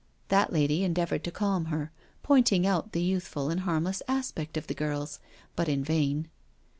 That lady endeavoured to calm her, pointing out the youthful and harmless aspect of the girls, but in vain.